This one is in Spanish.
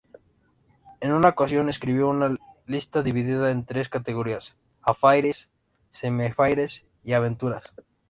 En una ocasión escribió una lista dividida en tres categorías: "affaires", "semi-affaires" y aventuras.